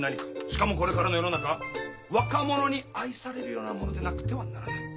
しかもこれからの世の中若者に愛されるようなものでなくてはならない。